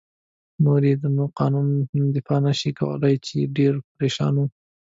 نور يې نو قانون هم دفاع نه شي کولای، چې ډېر پرېشان و.